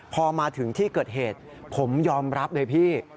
พอมาถึงที่เกิดเหตุผมยอมรับเลยพี่